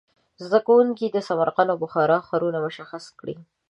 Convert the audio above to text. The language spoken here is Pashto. زده کوونکي دې سمرقند او بخارا ښارونه مشخص کړي.